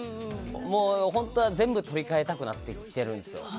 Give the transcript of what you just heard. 本当は全部取り替えたくなってきてるんですよ。